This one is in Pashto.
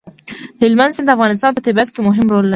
هلمند سیند د افغانستان په طبیعت کې مهم رول لري.